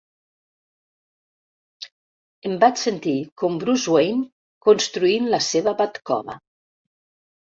Em vaig sentir com Bruce Wayne construint la seva Batcova.